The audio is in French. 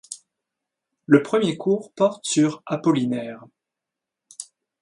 Le premier cours porte sur Apollinaire.